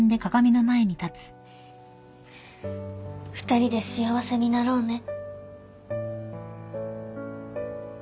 ２人で幸せになろうね